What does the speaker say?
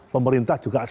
pemerintah juga stuck ya